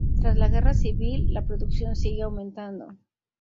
Tras la guerra civil, la producción sigue aumentando.